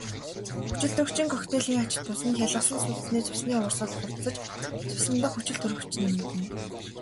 Хүчилтөрөгчийн коктейлийн ач тус нь хялгасан судасны цусны урсгал хурдсаж цусан дахь хүчилтөрөгч нэмэгдэнэ.